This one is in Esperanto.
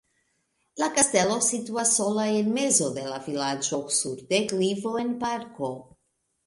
La kastelo situas sola en mezo de la vilaĝo sur deklivo en parko.